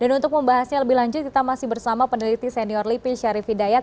dan untuk membahasnya lebih lanjut kita masih bersama peneliti senior lipi syarif hidayat